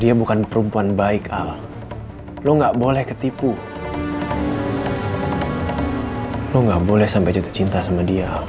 aku banget kerja ya